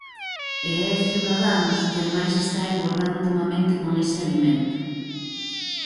E é "Ciudadanos" quen máis está a engordar ultimamente con ese alimento.